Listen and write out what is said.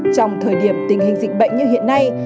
trong thời điểm tình hình dịch bệnh như hiện nay